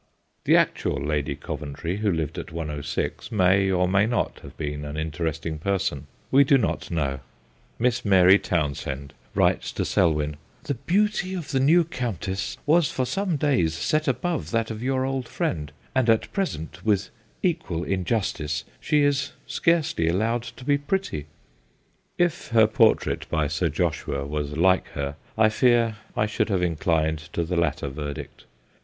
The actual Lady Coventry who lived at 106 may or may not have been an interest ing person : we do not know. Miss Mary Townshend wrote to Selwyn :' The beauty of the new countess was for some days set above that of your old friend, and at present, with equal injustice, she is scarcely allowed to be pretty/ If her portrait by Sir Joshua was like her, I fear I should have inclined to the latter verdict.